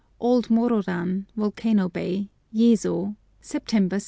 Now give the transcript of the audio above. OLD MORORAN, VOLCANO BAY, YEZO, September 2.